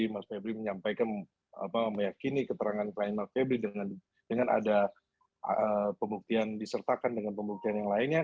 mas febri menyampaikan meyakini keterangan klien mas febri dengan ada pembuktian disertakan dengan pembuktian yang lainnya